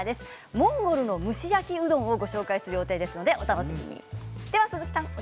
モンゴルの蒸し焼きうどんをご紹介する予定です。